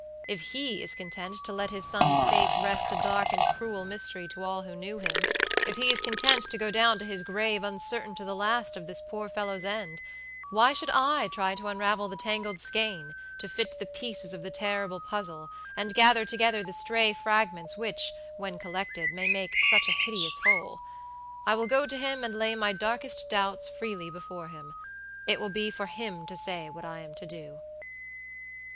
If he is content to let his son's fate rest a dark and cruel mystery to all who knew himif he is content to go down to his grave uncertain to the last of this poor fellow's endwhy should I try to unravel the tangled skein, to fit the pieces of the terrible puzzle, and gather together the stray fragments which, when collected, may make such a hideous whole? I will go to him and lay my darkest doubts freely before him. It will be for him to say what I am to do."